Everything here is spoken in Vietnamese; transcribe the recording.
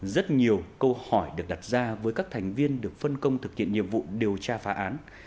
rất nhiều câu hỏi được đặt ra với các thành viên được phân công thực hiện nhiệm vụ điều tra phá án